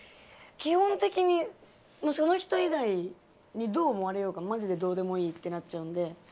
基本的にその人以外にどう思われようとマジでどうでもいいってなっちゃうので。